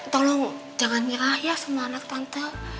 tolong jangan nyerah ya sama anak tante